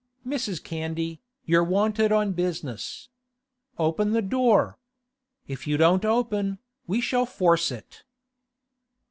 'Mrs. Candy, you're wanted on business. Open the door. If you don't open, we shall force it.